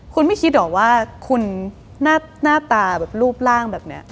คุณไม่คิดหรอกว่าคุณหน้าตาแบบรูปร่างแบบนี้